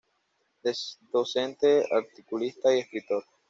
Docente, articulista y escritor.